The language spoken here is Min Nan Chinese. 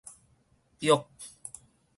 煜